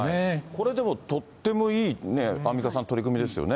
これでも、とってもいい、アンミカさん、取り組みですよね。